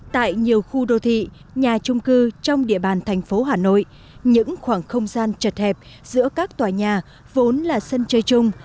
tại nhiều khu đô thị nhà trung cư trong địa bàn thành phố hà nội những khoảng không gian chật hẹp giữa các tòa nhà vốn là sân chơi chung